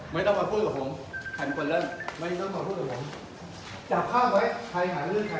ไม่ต้องมาพูดกับผมใครเป็นคนเล่นไม่ต้องมาพูดกับผมจับภาพไว้ใครหาเรื่องใคร